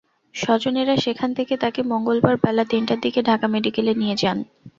স্বজনেরা সেখান থেকে তাঁকে মঙ্গলবার বেলা তিনটার দিকে ঢাকা মেডিকেলে নিয়ে যান।